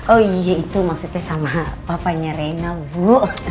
oh iya itu maksudnya sama papanya reyna bu